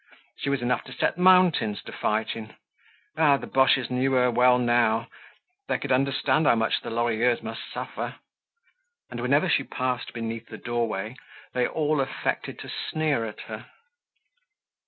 She was enough to set mountains to fighting. Ah! the Boches knew her well now, they could understand how much the Lorilleuxs must suffer. And whenever she passed beneath the doorway they all affected to sneer at her.